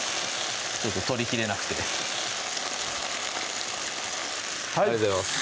ちょっと取りきれなくてはいありがとうございます